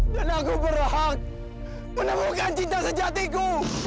dan aku berhak menemukan cinta sejatiku